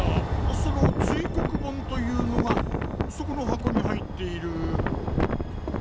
その堆黒盆というのがそこの箱に入っている。